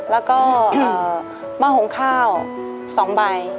แล้วก็มะหงคาว๒ใบ